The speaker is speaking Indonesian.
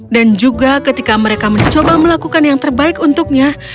dan juga ketika mereka mencoba melakukan yang terbaik untuknya